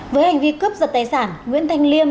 với hành vi cướp giật tài sản nguyễn thanh liêm